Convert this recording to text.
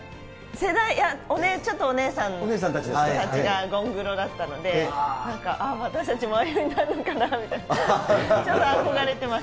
世代、いや、ごめん、ちょっとお姉さんたちがゴングロだったので、なんか、ああ、私たちもああいうふうになるのかなみたいな、ちょっと憧れてまし